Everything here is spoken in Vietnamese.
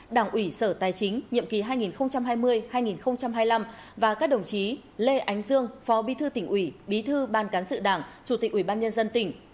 đảng ủy sở tài chính nhiệm kỳ hai nghìn hai mươi hai nghìn hai mươi năm và các đồng chí lê ánh dương phó bí thư tỉnh ủy bí thư ban cán sự đảng chủ tịch ủy ban nhân dân tỉnh